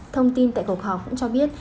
thông tin tại cuộc họp cũng cho biết